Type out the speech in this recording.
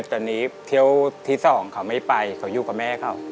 ตอนนี้เที่ยวที่สองเขาไม่ไปเขาอยู่กับแม่เขา